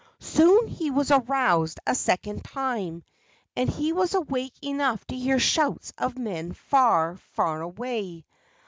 Soon he was aroused a second time, and he was awake enough to hear shouts of men far, far away.